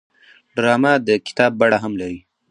ډرامه د کتاب بڼه هم لري